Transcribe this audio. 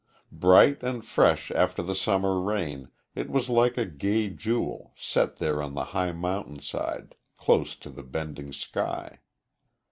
Bright and fresh after the summer rain, it was like a gay jewel, set there on the high mountain side, close to the bending sky.